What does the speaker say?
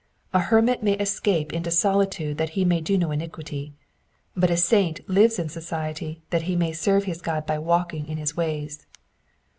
A hermit may escape into solitude that he may do no iniquity, but a saint lives in society that he may serve his God by walking in his ways.